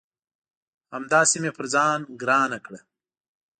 همداسي مې پر ځان ګرانه کړه